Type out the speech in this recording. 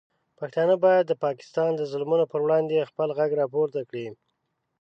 پښتانه باید د پاکستان د ظلمونو پر وړاندې خپل غږ راپورته کړي.